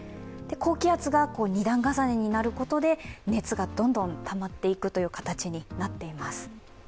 高気圧が２段重ねになることで熱がどんどんたまっていく形になっています。